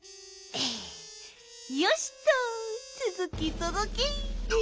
よしっとつづきつづき。